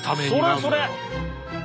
それそれ。